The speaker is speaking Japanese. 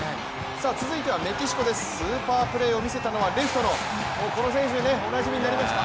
続いてはメキシコです、スーパープレーを見せたのはレフトのこの選手おなじみになりました